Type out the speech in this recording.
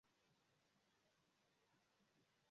Ekde tiam funkcias la galerio.